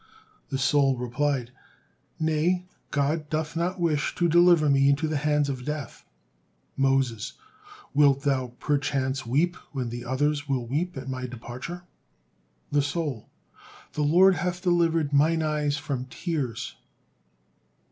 The soul replied: "Nay, God doth not wish to deliver me into the hands of death." Moses: "Wilt thou, perchance, weep when the others will weep at my departure?" The soul: "The Lord 'hath delivered mine eyes from tears.'"